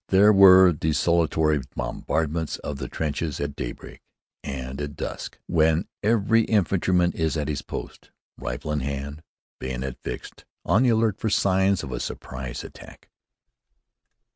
There were desultory bombardments of the trenches at daybreak, and at dusk, when every infantryman is at his post, rifle in hand, bayonet fixed, on the alert for signs of a surprise attack.